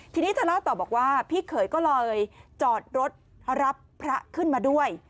ทีนี้เธอเล่าต่อบอกว่าพี่เขยก็เลยจอดรถรับพระขึ้นมาด้วย